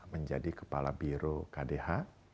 menjadi kepala biro kdh